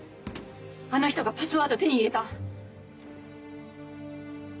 あの人がパスワード手に入れた！